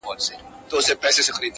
د انسانانو په جنګ راغلې٫